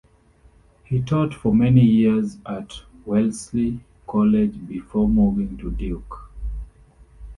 He taught for many years at Wellesley College before moving to Duke.